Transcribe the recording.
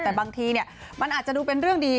แต่บางทีมันอาจจะดูเป็นเรื่องดี